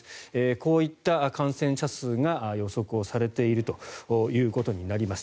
こういった感染者数が予測されているということになります。